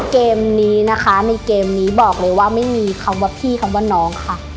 เกมนี้นะคะในเกมนี้บอกเลยว่าไม่มีคำว่าพี่คำว่าน้องค่ะ